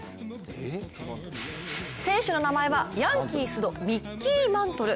選手の名前はヤンキースのミッキー・マントル。